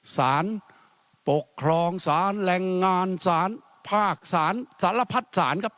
สารปกครองสารแรงงานสารภาคสารสารพัดสารครับ